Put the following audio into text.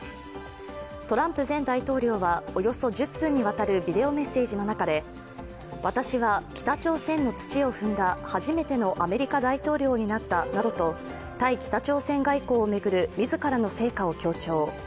トランプ前大統領はおよそ１０分にわたるビデオメッセージの中で私は北朝鮮の土を踏んだ初めてのアメリカ大統領になったなどと対北朝鮮外交を巡る自らの成果を強調。